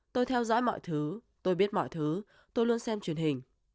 tôi theo dõi mọi thứ tôi biết mọi thứ tôi luôn xem truyền hình